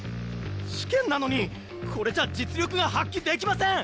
試験なのにこれじゃ実力が発揮できません！